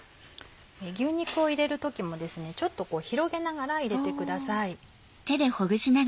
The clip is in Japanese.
牛肉を入れる時もちょっと広げながら入れてください。